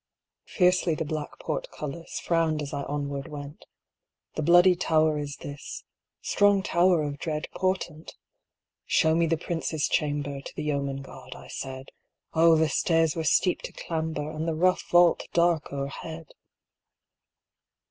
Fiercely the black portcullis Frowned as I onward went ; The Bloody Tower is this — Strong tower of dread portent !*' Show me the Princes' Chamber," To the Yeoman Guard I said ; O, the stairs were steep to clamber. And the rough vault dark o'erhead